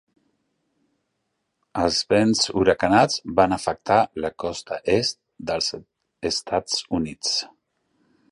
Els vents huracanats van afectar la costa est dels Estats Units.